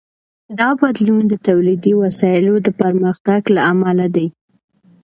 دا بدلون د تولیدي وسایلو د پرمختګ له امله دی.